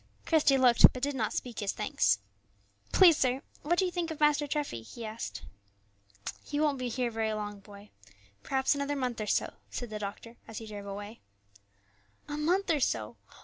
Christie looked, but did not speak his thanks. "Please, sir, what do you think of Master Treffy?" he asked. "He won't be here very long, boy, perhaps another month or so," said the doctor as he drove away. "A month or so!